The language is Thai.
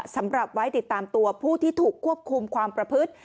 สำหรับไว้ติดตามตัวผู้ที่ถูกควบคุมความประพฤติ